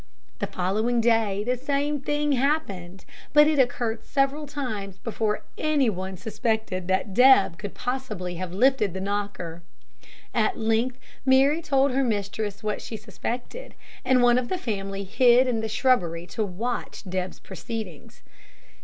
The following day the same thing happened, but it occurred several times before any one suspected that Deb could possibly have lifted the knocker. At length Mary told her mistress what she suspected, and one of the family hid in the shrubbery to watch Deb's proceedings.